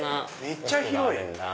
めっちゃ広い！